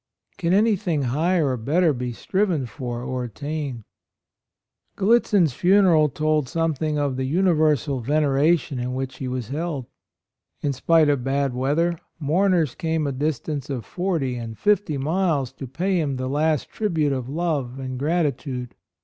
Can anything higher or better be striven for or attained?" Gallitzin's funeral told some thing of the universal venera tion in which he was held. In spite of bad weather, mourners came a distance of forty and fifty miles to pay him the last tribute of love and gratitude.